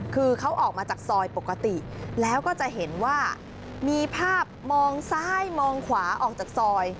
คือเขาออกมาจากซอยปกติแล้วก็จะเห็นว่ามีภาพมองซ้ายมองขวาออกจากซอย